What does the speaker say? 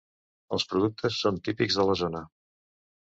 Els productes són típics de la zona.